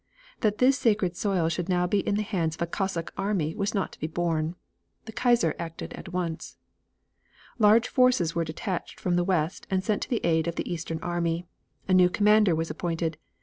That this sacred soil should now be in the hands of a Cossack army was not to be borne. The Kaiser acted at once. Large forces were detached from the west and sent to the aid of the eastern army. A new commander was appointed.